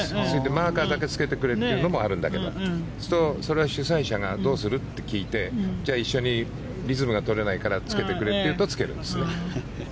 マーカーだけつけてくれというのもあるんですがそれは主催者がどうする？って聞いてじゃあ一緒にリズムが取れないからつけてくれと言うとつけるんです。